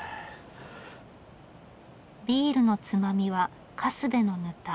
ビールのつまみはカスベのヌタ。